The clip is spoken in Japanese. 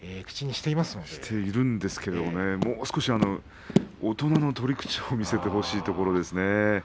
口にはしていますがもう少し、大人の取り口を見せてほしいところですね。